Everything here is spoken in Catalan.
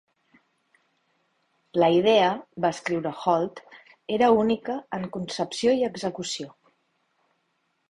La idea, va escriure Holt, era única en concepció i execució.